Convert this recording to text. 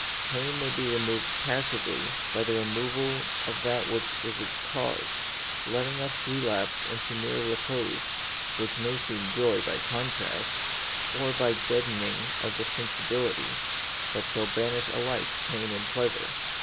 Pain may be removed passively by the removal of that which is its cause, letting us relapse into mere repose, which may seem joy by contrast, or by the deadening of the sensibility, that shall banish alike pain and pleasure.